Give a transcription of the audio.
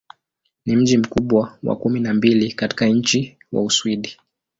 Ni mji mkubwa wa kumi na mbili katika nchi wa Uswidi.